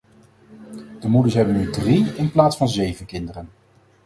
De moeders hebben nu drie in plaats van zeven kinderen.